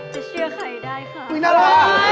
จะเชื่อใครได้ค่ะ